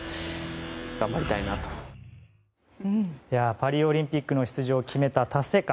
パリオリンピックの出場を決めた達成感